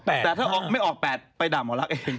แต่ถ้าไม่ออก๘ไปด่าหมอลักษ์เอง